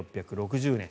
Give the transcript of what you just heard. １６６０年。